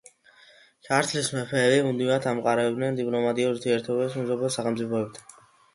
ქართლის მეფეები მუდმივად ამყარებდნენ დიპლომატიურ ურთიერთობებს მეზობელ სახელმწიფოებთან.